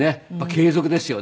継続ですよね。